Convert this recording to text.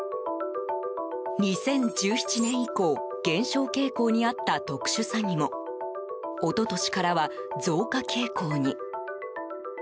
２０１７年以降減少傾向にあった特殊詐欺も一昨年からは増加傾向に。